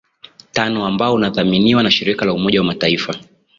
tano ambao unadhaminiwa na shirika la umoja wa mataifa